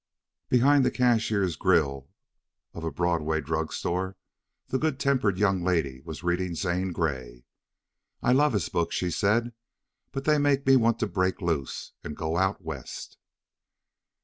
Behind the cashier's grill of a Broadway drug store the good tempered young lady was reading Zane Grey. "I love his books," she said, "but they make me want to break loose and go out West."